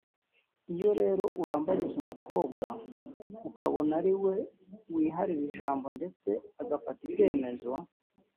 Iyo rero urambagiza umukobwa ukabona ari we wiharira ijambo ndetse agafata ibyemezo